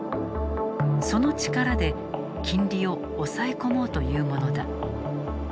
その力で金利を押さえ込もうというものだ。